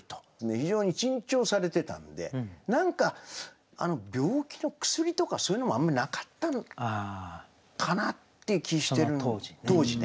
非常に珍重されてたんで何か病気の薬とかそういうのもあんまりなかったのかなっていう気してる当時ね。